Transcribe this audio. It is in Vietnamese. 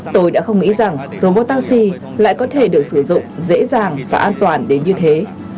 tôi đã không nghĩ rằng robot taxi lại có thể được sử dụng dễ dàng và an toàn đến như thế